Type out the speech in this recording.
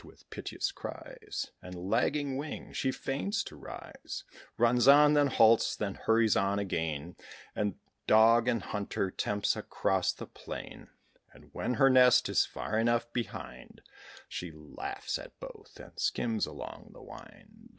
With piteous cries, And lagging wing, she feigns to rise, Runs on, then halts, then hurries on again, And dog and hunter tempts across the plain; But when her nest is far enough behind, She laughs at both, and skims along the wind.